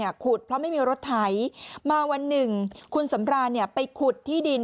ที่จอบขุดเพราะไม่มีรถไถมาวันหนึ่งคุณสำราณไปขุดที่ดิน